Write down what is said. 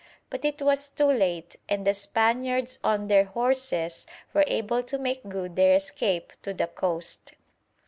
But it was too late, and the Spaniards on their horses were able to make good their escape to the coast.